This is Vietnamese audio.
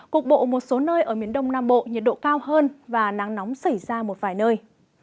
cục bộ một số nơi ở miền đông nam bộ nhiệt độ cao hơn và nắng nóng xảy ra một vài nơi